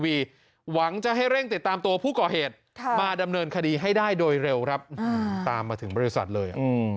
หวังจะให้เร่งติดตามตัวผู้ก่อเหตุมาดำเนินคดีให้ได้โดยเร็วครับตามมาถึงบริษัทเลย